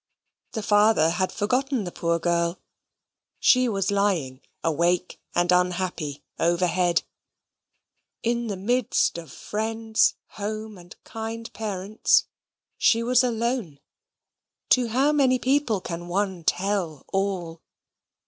The father had forgotten the poor girl. She was lying, awake and unhappy, overhead. In the midst of friends, home, and kind parents, she was alone. To how many people can any one tell all?